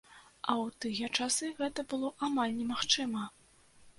А ў тыя часы гэта было амаль немагчыма!